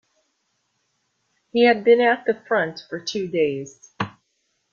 He had been at the front for two days.